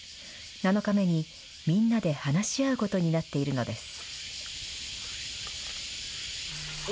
７日目にみんなで話し合うことになっているのです。